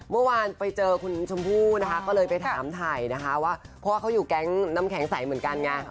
เมื่อวานไปเจอคุณชมพู่นะคะก็เลยไปถามถ่ายนะคะว่าเพราะว่าเขาอยู่แก๊งน้ำแข็งใสเหมือนกันไง